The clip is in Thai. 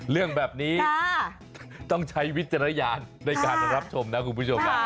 เรื่องแบบนี้ต้องใช้วิจารณญาณในการรับชมนะคุณผู้ชมนะ